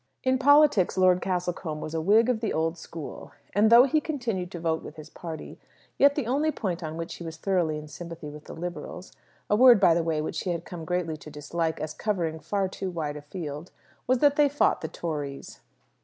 In politics Lord Castlecombe was a Whig of the old school; and though he continued to vote with his party, yet the only point on which he was thoroughly in sympathy with the Liberals a word, by the way, which he had come greatly to dislike, as covering far too wide a field was that they fought the Tories.